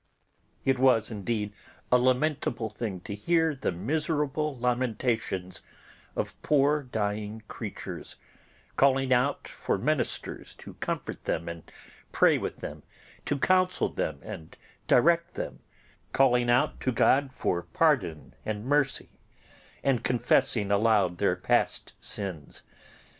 It was indeed a lamentable thing to hear the miserable lamentations of poor dying creatures calling out for ministers to comfort them and pray with them, to counsel them and to direct them, calling out to God for pardon and mercy, and confessing aloud their past sins.